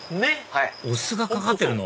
お酢がかかってるの？